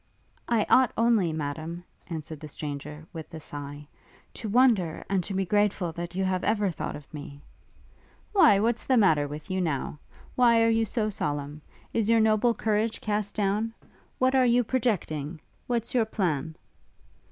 'I ought only, Madam,' answered the stranger, with a sigh, 'to wonder, and to be grateful that you have ever thought of me.' 'Why what's the matter with you now? Why are you so solemn? Is your noble courage cast down? What are you projecting? What's your plan?'